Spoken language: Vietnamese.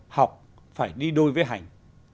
học phải đi đôi với hành